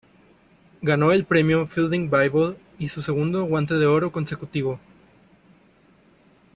Ganó el Premio Fielding Bible y su segundo Guante de Oro consecutivo.